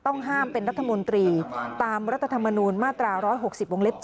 ต้องห้ามเป็นรัฐมนตรีตามรัฐธรรมนูญมาตรา๑๖๐วงเล็บ๗